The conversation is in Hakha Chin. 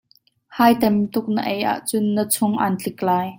Hai tamtuk na ei ah cun na chung aan tlik lai.